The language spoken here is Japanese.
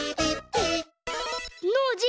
ノージー